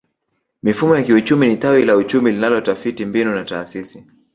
Mifumo ya kiuchumi ni tawi la uchumi linalotafiti mbinu na taasisi